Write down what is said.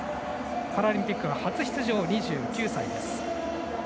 パラリンピックは初出場、２９歳。